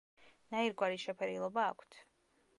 ნაირგვარი შეფერილობა აქვთ.